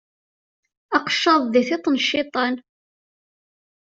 Aqeccaḍ di tiṭ n cciṭan.